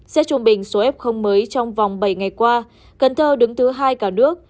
xét trung bình số f mới trong vòng bảy ngày qua cần thơ đứng thứ hai cả nước